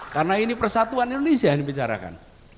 karena ini persatuan indonesia yang dibicarakan